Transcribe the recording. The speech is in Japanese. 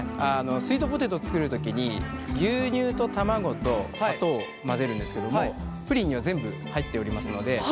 スイートポテト作る時に牛乳と卵と砂糖を混ぜるんですけどもプリンには全部入っておりますので。